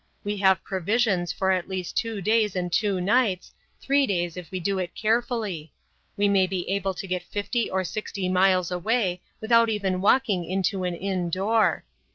We have provisions for at least two days and two nights, three days if we do it carefully. We may be able to get fifty or sixty miles away without even walking into an inn door.